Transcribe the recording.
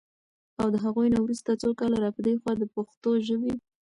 او د هغوی نه وروسته څو کاله را پدې خوا د پښتو ژبې